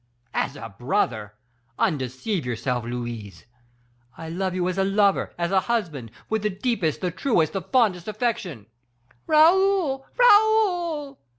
"As a brother! undeceive yourself, Louise. I love you as a lover as a husband, with the deepest, the truest, the fondest affection." "Raoul, Raoul!"